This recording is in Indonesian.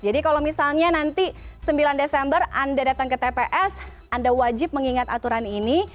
jadi kalau misalnya nanti sembilan desember anda datang ke tps anda wajib mengingat aturan ini